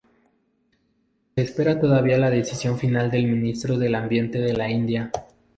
Se espera todavía la decisión final del Ministro del Ambiente de la India.